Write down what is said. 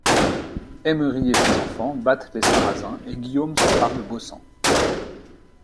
Aymeri et ses enfants battent les Sarrasins et Guillaume s'empare de Baucent.